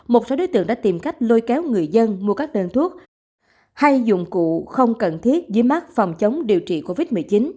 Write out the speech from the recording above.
một số đối tượng đã tìm cách lôi kéo người dân mua các đơn thuốc hay dụng cụ không cần thiết dưới mắt phòng chống điều trị covid một mươi chín